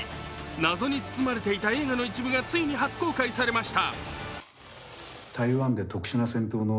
謎に包まれていた映画の一部がついに初公開されました。